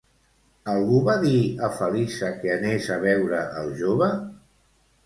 Algú va dir a Feliça que anés a veure el jove?